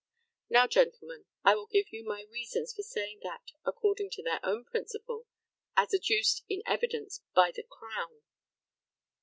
Now, gentlemen, I will give you my reasons for saying that, according to their own principle, as adduced in evidence by the Crown.